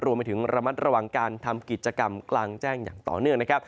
รวมไปถึงระมัดระวังการทำกิจกรรมกลางแจ้งอย่างต่อเนื่องนะครับ